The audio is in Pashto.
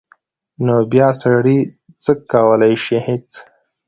نو بیا سړی څه کولی شي هېڅ.